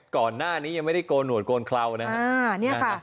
ก่อนหน้านี้ยังไม่ได้โกนหนวดโกนเคราวนะฮะ